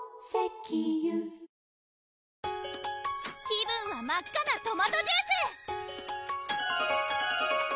気分は真っ赤なトマトジュース！